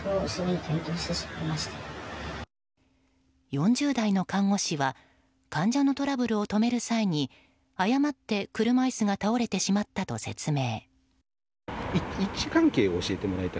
４０代の看護師は患者のトラブルを止める際に誤って車椅子が倒れてしまったと説明。